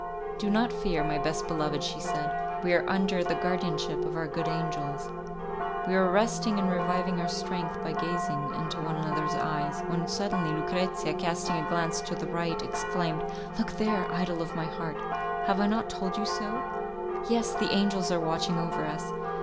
"Do not fear, my best beloved," she said, "we are under the guardianship of our good angels." We were resting and reviving our strength by gazing into one another's eyes, when suddenly Lucrezia, casting a glance to the right, exclaimed, "Look there! idol of my heart, have I not told you so? Yes, the angels are watching over us!